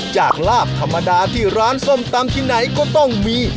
ลาบธรรมดาที่ร้านส้มตำที่ไหนก็ต้องมี